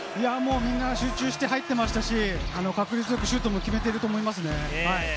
みんな集中して入っていましたし、確率よくシュートも決めていますね。